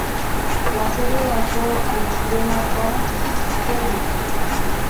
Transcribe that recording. La serie lanzó al estrellato a Tom Selleck.